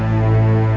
jangan bawa dia